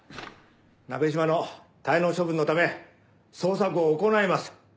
「なべしま」の滞納処分のため捜索を行います。